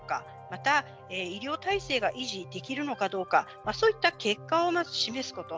また、医療体制が維持できるのかどうかそういった結果をまず示すこと。